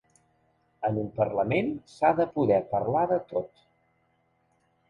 En un parlament s’ha de poder parlar de tot.